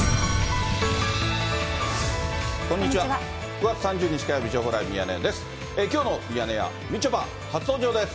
５月３０日火曜日、情報ライブミヤネ屋です。